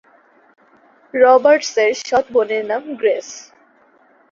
রবার্টসের সৎ বোনের নাম গ্রেস।